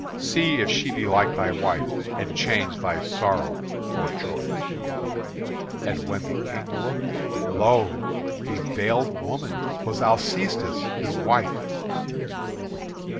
See if she be like thy wife; and change thy sorrow for joy." And when the King looked, lo! the veiled woman was Alcestis his wife.